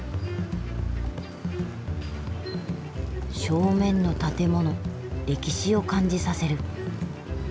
正面の建物歴史を感じさせる。